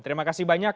terima kasih banyak